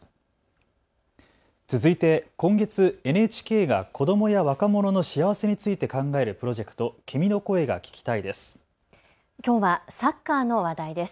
続いて今月、ＮＨＫが子どもや若者の幸せについて考えるプロジェクト、君の声が聴きたいです。